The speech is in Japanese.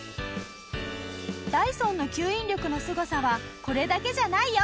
ダイソンの吸引力のすごさはこれだけじゃないよ！